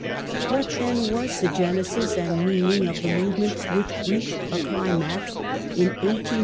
What then was the genesis and meaning of the movement which reached a climax in 1838 1839?